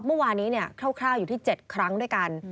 เมื่อวานี้เนี่ยเข้าอยู่ที่๗ครั้งด้วยกัน